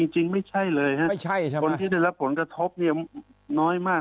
จริงไม่ใช่เลยครับคนที่ได้รับผลกระทบน้อยมาก